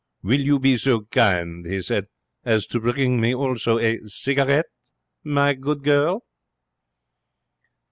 'Will you be so kind,' he said, 'as to bring me also a cigarette, my good girl?'